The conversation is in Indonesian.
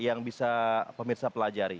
yang bisa pemirsa pelajari